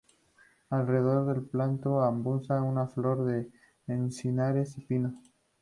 Alrededor del pantano abunda una flora de encinares y pinos.